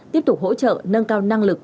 tiếp tục hỗ trợ nâng cao năng lực